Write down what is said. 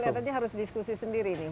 kelihatannya harus diskusi sendiri nih